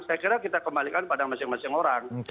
saya kira kita kembalikan pada masing masing orang